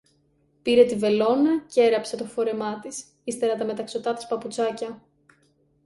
Πήρε τη βελόνα κι έραψε το φόρεμά της, ύστερα τα μεταξωτά της παπουτσάκια